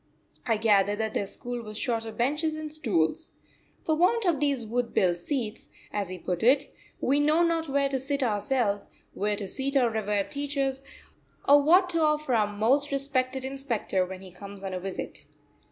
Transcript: I gathered that their school was short of benches and stools. "For want of these wood built seats," as he put it, "we know not where to sit ourselves, where to seat our revered teachers, or what to offer our most respected inspector when he comes on a visit."